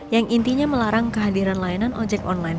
yang intinya melarang kehadiran layanan ojek online